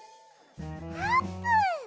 あーぷん！